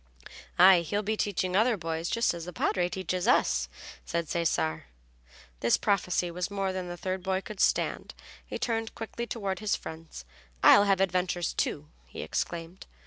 "Aye, he'll be teaching other boys just as the Padre teaches us," said Cesare. This prophecy was more than the third boy could stand. He turned quickly toward his friends. "I'll have adventures, too," he exclaimed.